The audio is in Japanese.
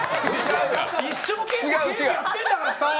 一生懸命ゲームやってるんだからさぁ！